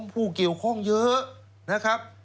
ผู้เกี่ยวข้องเยอะนะครับ